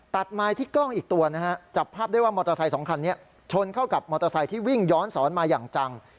ตัดไม้ที่กล้องอีกตัวนะฮะจับภาพได้ว่ามอเตอร์ไซค์สองคันนี้ชนเข้ากับมอเตอร์ไซค์ที่วิ่งย้อนสอนมาอย่างจัง